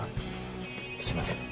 すいません。